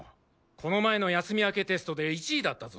この前の休み明けテストで１位だったぞ。